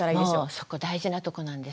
もうそこ大事なとこなんですよ。